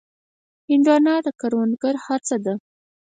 هندوانه د کروندګرو هڅه ده.